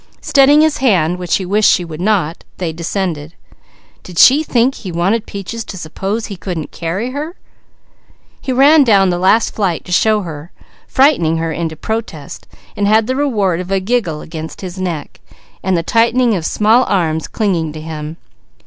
Steadying his arm, which he wished she would not, they descended. Did she think he wanted Peaches to suppose he couldn't carry her? He ran down the last flight to show her, frightening her into protest, and had the reward of a giggle against his neck and the tightening of small arms clinging to him.